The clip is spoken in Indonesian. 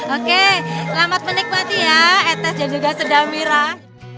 oke selamat menikmati ya ete dan juga sedang berah